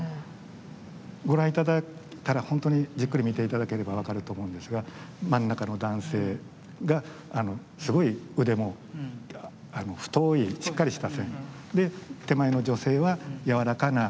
ご覧頂いたらほんとにじっくり見て頂ければ分かると思うんですが真ん中の男性がすごい腕も太いしっかりした線で手前の女性は柔らかな曲線。